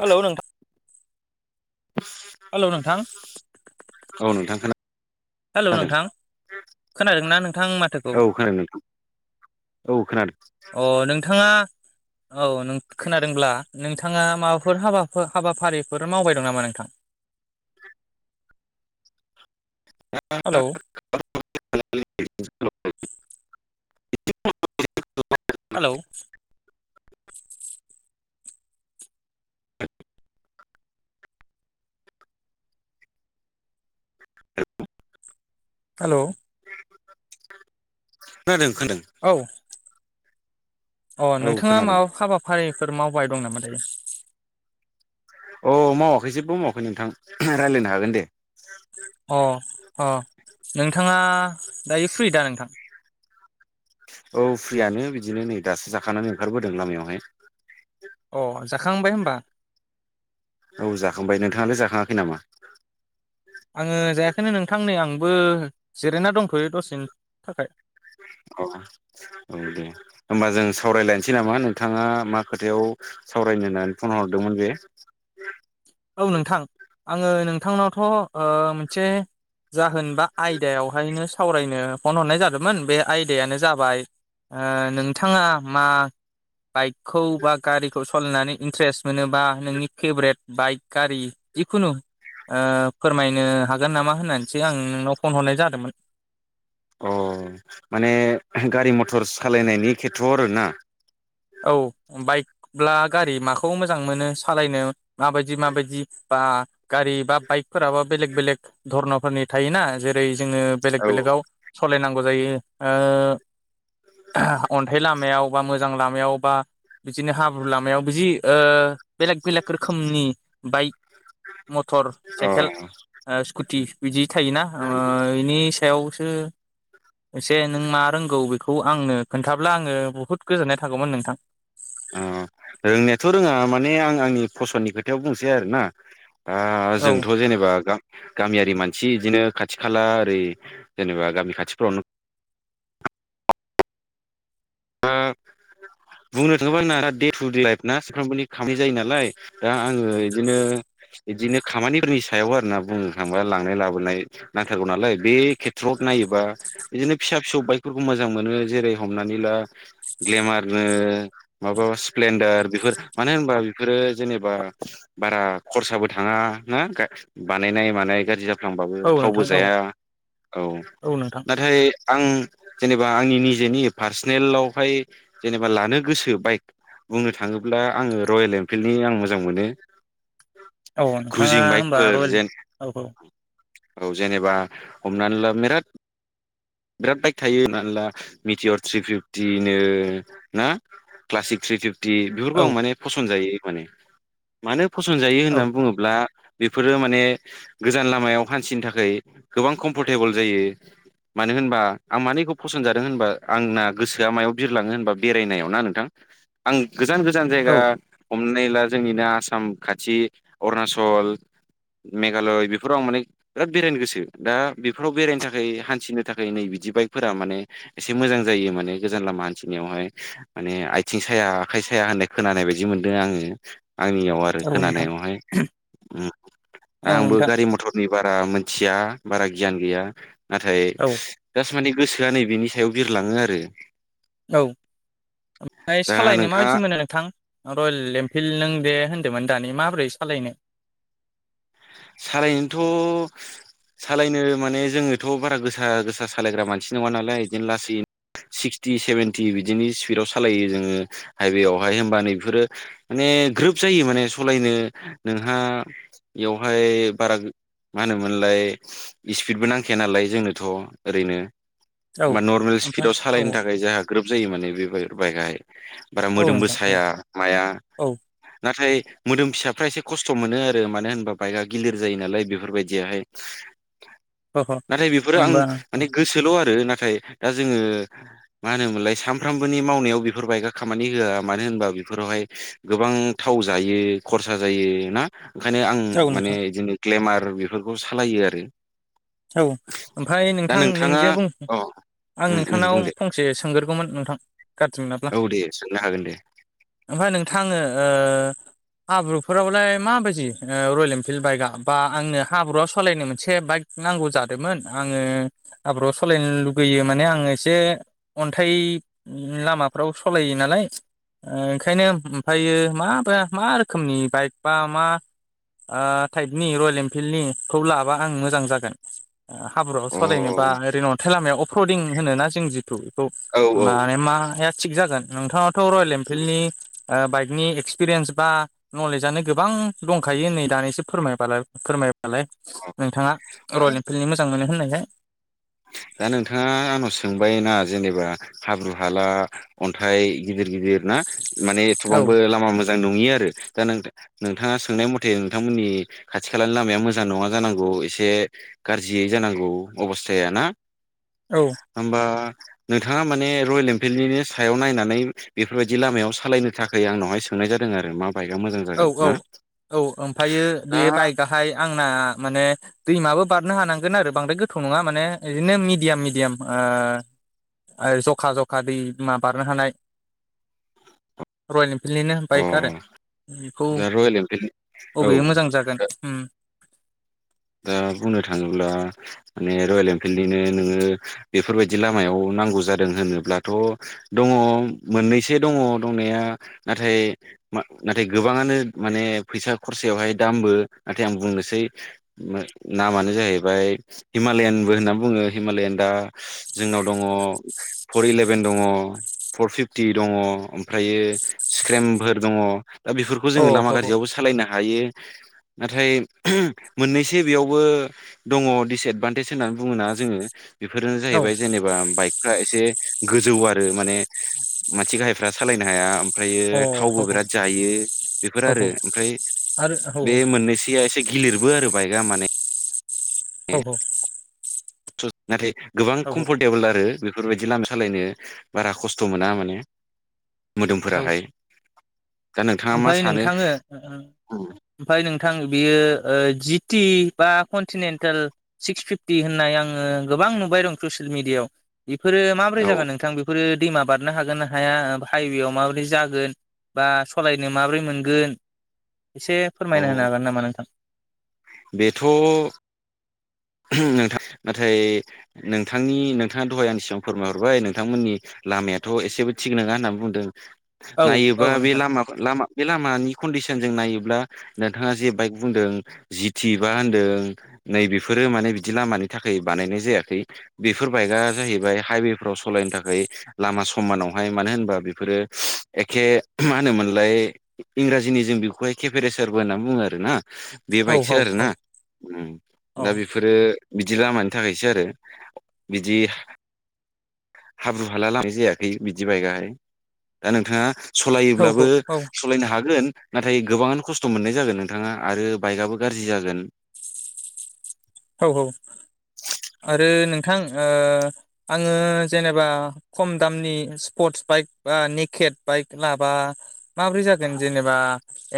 Hello नोंथां hello नोंथां औ नोंथां हेलौ खोनादों नोंथां खोनादोंना नोंथां माथोखौ औ खोनादों नोंथां औ खोनादों अ नोंथाङा औ नों खोनादोंब्ला नोंथाङा माबाफोर हाबाफोर हाबाफारिफोर मावबाय दं नामा नोंथां? [inaudible] हेल' [unintelligible] हेलौ हेल' खोनादों खोनादों औ अ औ नोंथाङा खोनादों माबा हाबाफारिफोर मावबाय दं नामा दायो। अ मावाखै जेबो मावाखै नोंथां राय्लायनो हागोन दे अ अ नोंथाङा दायो फ्रि दा नोंथां औ फ्रियानो बिदिनो नै दासो जाखानानै ओंखारबोदों लामायावहाय अ जाखांबाय होमबा औ जाखांबाय नोंथाङालाय जाखाङाखै नामा आङो जायाखैनो नोंथां नै आंबो जिरायना दंथ'यो दसेनि थाखाय औ औ दे होनबा जों सावरायलायनोसै नामा नोंथाङा मा खोथायाव सावरायनो होननानै फन हरदोंमोन बे औ नोंथां आङो नोंथांनावथ' ओ मोनसे जाहोनबा आयदायावहायनो सावरायनो फन हरनाय जादोंमोन बे आयदायानो जाबाय ओ नोंथाङा मा बाइकखौ बा गारिखौ सालायनानै इन्ट्रेस्ट मोनोबा नोंनि फेभरेट बाइक गारि जिखुनु ओ फोरमायनो हागोन नामा होननानैसो आं नोंनाव फन हरनाय जादोंमोन। अ माने गारि मथर सालायनायनि खेथ्र'आव आरोना औ बाइकब्ला गारि माखौ मोजां मोनो सालायनो माबायदि माबायदि बा आ गारि बा बाइकफोराबो बेलेक बेलेक धरनफोरनि थायोना जेरै जोङो बेलेग औ बेलेगाव सालायनां गौ जायो ओ अनथाय लामायावबा माजां ला मायाव बा बिदिनो हाब्रु लामायाव बिदि ओ बेलेक बेलेक रोखोमनि बाइक मटर अ साइकेल ओ स्कुटि बिदि थायोना ओ इनि सायाव एसे नों मा रोंगौ बेखौ आंनो खोन्थाब्ला आङो बुहुद गोजोननाय था गौमोन नोंथां अ रोंनायाथ' रोङा माने आं आंनि फसननि खोथायाव बुंसै आरोना ओ औ जोंथ' जेनेबा गामियारि मानसि बिदिनो खा खाथि खाला ओरै जेनेबा गामि खाथिफ्रावनो ओ बुंनो थाङोबा आंना दे टु दे लाइफ ना सफ्रामबोनि खामनाय जायो नालाय दा आङो इदिनो इदिनो खामानिफोरनि सायाव आरोना बुंनो थाङा लांनाय लाबोनाय नांथारगौ नालाय बे खेथ्रआव नायोबा बिदिनो फिसा फिसौ बाइकफोरखौ मोजां मोनो जेरै हमनानै ला ग्लेमारनो माबा स्प्लेन्डार बेफोर मानो होनबा बेफोरो जेनेबा बारा खरसाबो थाङा ना गा बानायनाय मानाय गाज्रि जा थांबाबो औ थावबो नोंथां औ जाया औ नाथाय आं जेनेबा आंनि निजेनि पार्सिनेलावहाय जेनेबा लानो गोसो बाइक। बुंनो थाङोब्ला आङो रयेल एमफिल्डनि आं मोजां मोनो। औ नोंथाङा क्रुजिं होमबा बाइकफोर रयेल जेन औ औ औ जेनेबा हमनानै ला मेराद बिराद बाइक थायो हमनानै ला मिटियर थ्रि फिफ्टिनो ना क्लासिक थ्रि फिब थि बेफोरखौ आं माने फसन्द जायो माने मानो फसन जायो औ होन्नानै बुङोब्ला बेफोरो माने गोजान लामायाव हान्थिनो थाखोय गोबां कम्फर्टेबोल जायो। मानो होनबा आं मानो इखौ फसन्द जादों होनबा आंना गोसोआ मायाव बिरलाङो होनबा बेरायनायाव ना नोंथां। आं गोजान गोजान औ जायगा हमनाय ला जोंनिनो आसाम खाथि अरुणाचल। मेघालय बेफोराव आं माने बिराद बेरायनो गोसो दा बेफोराव बेरायनो थाखाय हान्थिनो थाखाय नै बिदि बाइकफोरा माने एसे मोजां जायो माने गोजान लामा हान्थिनायावहाय माने आयथिं साया आखाइ साया होननाय खोनानाय बायदि मोन्दों आङो। आंनियाव आरो औ नोंथां खोनानायावहाय उम औ आंबो नोंथां गारि मथरनि बारा मोन्थिया बारा गियान गैया नाथाय- औ। सु माने गोसोआ नै बिनि सायाव बिरलाङो आरो। औ ओमफाय दा सालायनो नोंथाङा माबिदि मोनो नोंथां? रयेल एमफिल्ड नों दे होन्दोमोन दानि माबोरै सालायनो? सारायनोथ' सालायनो माने जोङोथ' बारा गोसा गोसा सालायग्रा मानसि नङा नालाय इदिनो लासै सिक्सटि सेभेेनटि बिदिनि स्पिडाव सालायो जोङो हाइवेयावहाय होम्बा नै बिफोरो माने ने ग्रोब जायो माने सालायनो नोंहा एव ओय बारा गो मा होनोमोनलाय इस्पिडबो नांखाया नालाय जोंनोथ' ओरैनो। औ मा नर्मेल ओमफ्राय स्पिडाव औ सालायनो थाखाय जाहा ग्रोब जायो माने बेफार बाइकआहाय। बारा औ मोदोमबो नोंथां औ साया माया औ नाथाय- मोदोम फिसाफ्रा एसे खस्थ' मोनो आरो मानो होनबा बाइकआ गिलिर जायो नालाय बेफोरबायदियाहाय। अ नाथाय बेफोरो आं होमबा माने गोसोल' आरो ना थाय दा जोङो मा होनोमोनलाय सानफ्रामबोनि मावनायाव बेफोर बाइकआ खामानि होआ मानो होनबा बेफोरावहाय गोबां थाव जायो खरसा जायो ना ओंखायनो आं औ माने नोंथां इदिनो ग्लेमार बेफोरखौ सालायो आरो। औ ओमफाय दा नोंथां नों नोंथाङा जे बुं अ आं उम उम नोंथांनाव बुं दे फंसे सोंगोरगौमोन नोंथां गार्जिमोनाब्ला औ दे सोंनो हागोन दे ओमफाय नोंथां ओ हाब्रुफोरावलाय माबायदि ओ रयेल एमफिल्ड बाइकआ बा आंनो हाब्रुआव सालायनो मोनसे बाइक नांगौ जादोमोन आङो आब्रुआव सलायनो लुगैयो माने आङो एसे अन्थाय लामाफ्राव सलायो नालाय। ओ ओंखायनो ओमफायो मा ब्रा मा रोखोमनि बाइक बा मा ओ टाइपनि रयेल एमफिल्डनि खौ लाबा आं मोजां जागोन। ओ हाब्रुआव अ सलायनो बा ओरैनो अन्थाय लामायाव अफ्रदिं होनो ना जों जिथु बेखौ औ औ माने माया थिग जागोन नोंथाङाथ' रयेल एमफिल्डनि ओ बाइक नि एक्सपिरेन्स बा नलेजआनो गोबां दंखायो नै दानिसो फोरमायबालाय फोरमाय नालाय औ नोंथाङा रयेल दा इनफिल्डनि मोजां मोनो होन्नायखाय। दा नोंथाङा आंनाव सोंबाय ना जेनेबा हाब्रु हाला अन्थाइ गिदिर गिदिर ना माने औ एथ'बांबो लामा मोजां नङि आरो दा नोंथा नोंथाङा सोंनाय मथे नोंथांमोननि खाथि खालानि लामाया मोजां नङा जानांगौ एसे गाज्रियै जा नांगौ अबस्थाया ना औ होम्बा नोंथाङा माने रयेल एमफिल्डनिनो सायाव नायनानै बेफोरबायदि लामायाव सालायनो थाखाय आंनावहाय सों नाय जादों आरो माब औ औ औ ओमफायो बे दा बाइकआहाय आं आंना माने दैमाबो बारनो हानांगोन आरो बांद्राय गोथौ नङा माने इदिनो मिडियाम मिडियाम ओ ओ ओ जखा जखा दैमा बारनो हानाय रयेल इनफिल्डनिनो अ बाइक आरो बेखौ दा रयेल एनफिल्ड बबे मोजां औ जागोन उम दा [inaudible] बुंनो थाङोब्ला माने रयेल एनफिल्डनिनो नोङो बेफोरबायदि लामायाव नांगौ जादों होनोब्लाथ' दङ' मोननैसे दङ' दंनाया नाथाय मा [unintelligible] नाथाय गोबाङानो माने फैसा खरसायावहाय दामबो नाथाय आं बुंनोसै मो नामानो जाहैबाय हिमालयानबो होननानै बुङो हिमालयान दा जोंनाव दङ' अ फर इलेभेन दङ' फर फिफटि दङ' ओमफ्रायो स्ख्रेमबो दङ' दा बेफोरखौ अ जोङो ह लामा ह गाज्रियावबो सालायनो हायो नाथाय [unintelligible] मोननैसो बेयावबो दङ' डिसएदबान्टेज होननानै बुङोना जोङो बेफोरनो औ जाहैबाय जेनेबा बाइकफ्रा एसे गोजौ आरो माने मानसि गाहायफ्रा सालायनो हाया ओमफ्रायो अ ह थावबो ह बिराद जायो बेफोर ह ह आरो ओमफ्राय आरो औ बे मोननैसोआ एसे गिलिरबो आरो बाइकआ माने औ -औ थुद नाथाय गोबां औ कमफर्टेबोल आरो बेफोरबायदि लामा सालायनो बारा खस्थ' मोना माने मोदोमफोराहाय दा नों ओमफाय नोंथाङो [unintelligible] ओमफाय नोंथां बियो ओ जि टि बा कनटिन्टेल सिक्स फिफटि होननाय आङो गोबां नुबाय दं ससियेल मिडियाआव बेफोरो माबोरै औ जागोन नोंथां बेफोरो दैमा बारनो हागोन ना हाया हाइवेयाव माबोरै जागोन बा स सलायनो माबोरै मोनगोन एसे अ फोरमायना होनो हागोन नामा नोंथां? बेथ' [unintelligible] नोंथां नाथाय नोंथांनि नोंथाङा दहाय आं सिगां फोरमायहरबाय नोंथांमोननि लामायाथ' एसेबो थिग नोङा होनना बुंदों औ औ नायोबा बे नोंथां लामाखो लामा बे लामानि खन्दिसनजों नायोब ब्ला नोंथाङा जि बाइक बुंदों जि थि बा होनदों नैबे [unintelligible] फोरो माने बिदि लामानि थाखाय बानायनाय जायाखै बेफोर बाइकआ जाहैबाय हाइवेफ्राव सालायनो थाखाय [unintelligible] लामा समानावहाय मानो होनबा बेफोरो एखे मा होनोमोनलाय इंरा [unintelligible] जिनि जों बेखौहाय केेफेरेसारबो होननानै बुङो आरो ना। बे औ औ बाइकसो अ आरोना उम औ दा बेफोरो बिदि लामानि थाखायसो आरो बिदि [unintelligible] हाब्रु हाला लामनाय जायाखै बिदि बायगाहाय दा नोंथाङा सलायोब्लाबो औ औ सालायनो हागोन। नाथाय गोबाङानो खस्थ' मोननाय जागोन नोंथाङा आरो बाइकआबो गाज्रि जागोन औ औ आरो नोंथां ओ आङो जेनेबा खम दामनि स्पर्टस बाइक बा निखेट बाइक लाबा माब्रै जागोन जेनेबा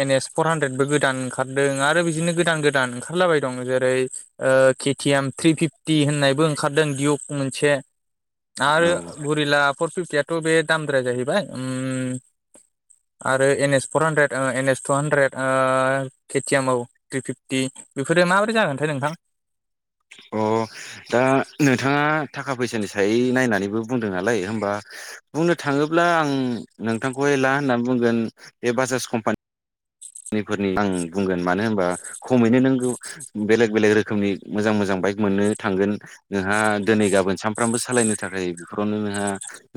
एन एस फर हान्द्रेदबो गोदान ओंखारदों आरो बिदिनो गोदान गोदान ओंखारलाबाय दं जेरै ओ खेथिएम थ्रि फिफ्टि होननायबो ओंखारदों दिउक मोनसे औ आरो गुरिला फर फिफटियाथ' बे दामद्राया जाहैबाय उम आरो N S four hundred N S two hundred KTM आव थ्रि फिफ्टि बेफोरो माबोरै जागोनथाय नोंथां अ दा नोंथाङा थाखा फैसानि सायै नायनानैबो बुंदों नालाय हबा बुंनो थाङोब्ला आं नोंथांखौहाय ला होननानै बुंगोन बे बाजाज कम्पानि नि फोरनि आं बुंगोन मानो होनबा खमैनो नोंगौ बेलेग बेलेग रोखोमनि मोजां मोजां बाइक मोननो थांगोन नोंहा दिनै गाबोन सानफ्रामबो सालायनो थाखाय बेफोरावनो नोंहा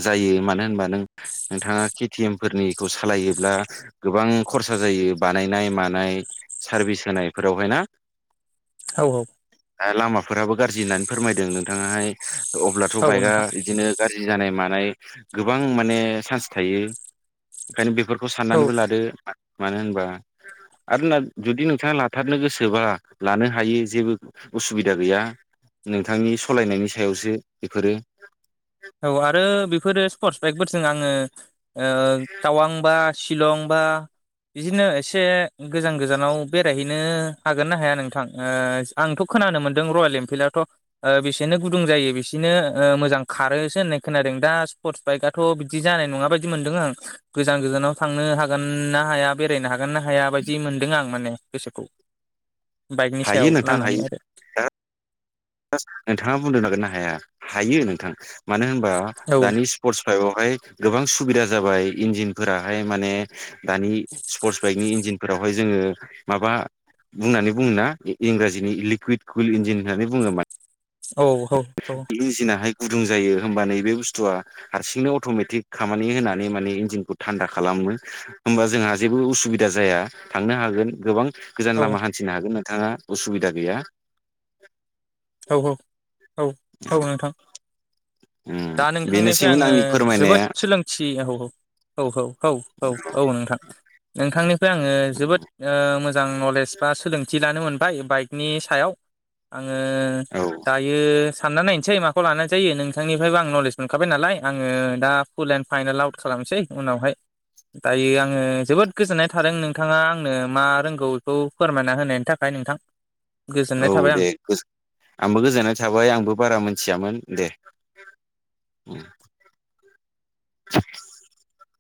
जायो मानो होनबा नों नोंथाङा केटिएम फोरनिखौ सालायोब्ला गोबां खरसा जायो बानायनाय मानाय सारभिस होनायफोरावहाय ना औ औ दा लामाफोराबो गाज्रि होननानै फोरमायदों नोंथाङाहाय अब्लाथ' औ औ बाइकआ नोंथां बिदिनो गाज्रि जानाय मानाय गोबां माने चान्स थायो ओंखायनो बेफोरखौ औ साननानैबो लादो। मानो होनबा [inaudible] आरो नों जुदि नोंथाङा लाथारनो गोसोब्ला लानो हायो जेबो उसुबिदा गैया नोंथांनि सालायनायनि सायावसो बेफोरो औ आरो बेफोरो स्पर्टस बाइकफोरजों आङो ओ तावांबा शिलं बा बिदिनो एसे गोजान गोजानाव बेरायहैनो हागोन ना हाया नोंथां ओ आंथ' खोनानो मोनदों रयेल एनफिल्डआथ' ओ बेसेनो गुदुं जायो बिसेनो मोजां खारोसो होननाय खोनादों दा स्पर्टस बाइकआथ' बिदि जानाय नङा बायदि मोनदों आं गोजान गोजानाव थांनो नो हागोनना हाया बेरायनो हागोन ना हाया बायदि मोन्दों आं माने गोसोखौ बाइकनि हायो सायाव लानानै आरो जास्त नोंथाङा बुंदों हागोन ना हाया हायो नोंथां मानो होनबा दानि स्पर्टस बाइकआवहाय गोबां सुबिदा जाबाय इन्जिनफोराहाय माने दानि स्पर्टस बाइकनि इन्जिनफोरावहाय जोङो माबा बुंनानै बुङोना इंराजिनि लिकुइड कुइल इन्जिन होननानै बुङोमोन औ औ औ गुदुं जायो होमबा नैबे बुस्थुआ हारसिंनो अट'मेटिक खामानि होनानै माने इन्जिनखौ थान्दा खालामो होनबा जोंहा जेबो उसुबिदा जाया थांनो हागोन गोबां गोजान लामा हान्थिनो हागोन नोंथाङा उसुबिदा गैया औ औ औ औ नोंथां उम दा नोंथांनिफ्राय बेनोसैमोन आङो आंनि जोबोद फोरमायनाया सोलोंथि औ औ औ औ औ औ औ नोंथां नोंथांनिफ्राय आङो जोबोद ओ मोजां मोजां नलेज बा सोलोंथि लानो मोनबाय बाइकनि सायाव आं दा आङो औ दायो सानना नायनोसै माखौ लानाय जायो नोंथांनि फ्रायबो आं नलेज मोनखाबाय नालाय आङो दा फुल एन्ड फाइनेल आउट खालामसै उनावहाय दायो आं आङो जोबोद गोजोननाय थादों नोंथाङा आंनो मा रोंगौ बेखौ फोरमायना होनायनि थाखाय नोंथां गोजोननाय औ थाबाय आं दे आंबो गोजोननाय थाबाय आंबो बारा मोनथियामोन दे ओ [unintelligible]